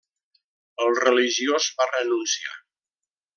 El religiós va renunciar.